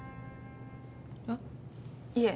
あっいえ。